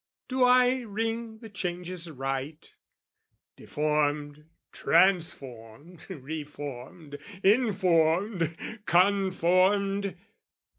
Do I ring the changes right Deformed, transformed, reformed, informed, conformed!